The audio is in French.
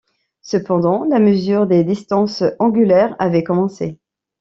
Cependant, la mesure des distances angulaires avait commencé.